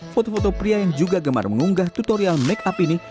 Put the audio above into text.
foto foto pria yang juga gemar mengunggah tutorial make up ini